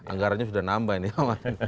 anggaranya sudah menambah ini pak martin